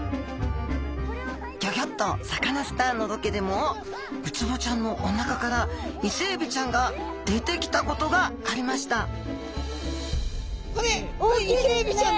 「ギョギョッとサカナ★スター」のロケでもウツボちゃんのおなかからイセエビちゃんが出てきたことがありましたえ！